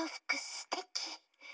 すてき。